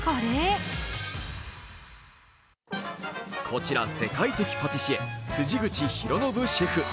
こちら世界的パティシエ・辻口博啓シェフ。